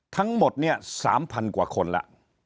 ทั้งหมดเนี่ย๓๐๐กว่าคนแล้ว